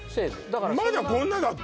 まだこんなだった？